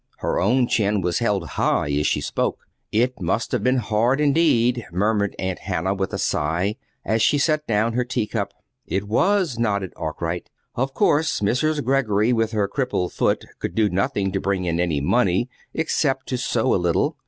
Her own chin was held high as she spoke. "It must have been hard, indeed," murmured Aunt Hannah with a sigh, as she set down her teacup. "It was," nodded Arkwright. "Of course Mrs. Greggory, with her crippled foot, could do nothing to bring in any money except to sew a little.